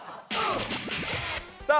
さあ